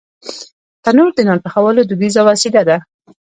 تنور د نان پخولو دودیزه وسیله ده